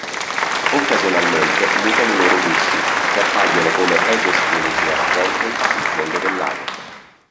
Occasionalmente mutano i loro gusci, che appaiono come esoscheletri argentei sul fondo del lago.